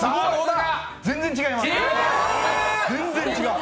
全然違います。